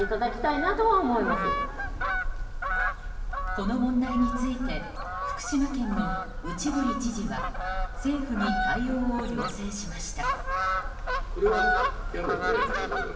この問題について福島県の内堀知事は政府に対応を要請しました。